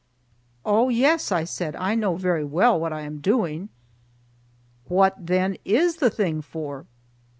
"Oh, yes," I said, "I know very well what I am doing." "What, then, is the thing for?"